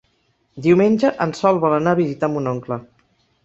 Diumenge en Sol vol anar a visitar mon oncle.